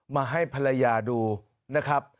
มาให้ภรรยาดูนะครับ